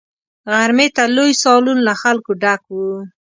غرمې ته لوی سالون له خلکو ډک وو.